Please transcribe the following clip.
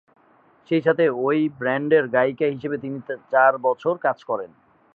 সেই সাথে ঐ ব্যান্ডের গায়িকা হিসেবে তিনি চার বছর কাজ করেন।